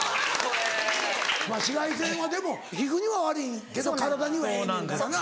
まぁ紫外線はでも皮膚には悪いけど体にはええねんからな。